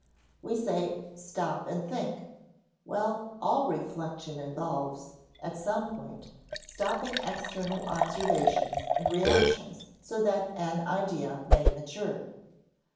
We say "Stop and think"; well, all reflection involves, at some point, stopping external observations and reactions so that an idea may mature.